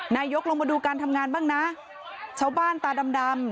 นายกลงมาดูการทำงานบ้างนะชาวบ้านตาดำ